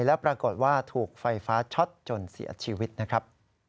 และปรากฏว่าถูกไฟฟ้าช็อตจนเสียชีวิตนะครับ